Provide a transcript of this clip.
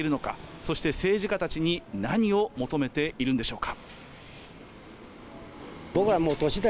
そして、政治家たちに何を求めているんでしょうか。